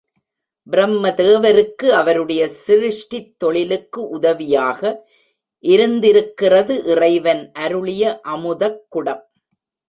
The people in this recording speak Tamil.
பிரம்மதேவருக்கு அவருடைய சிருஷ்டித் தொழிலுக்கு உதவியாக இருந்திருக்கிறது இறைவன் அருளிய அமுதக் குடம்.